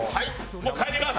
もう帰ります！